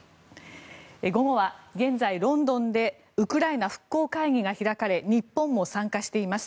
午後は現在、ロンドンでウクライナ復興会議が開かれ日本も参加しています。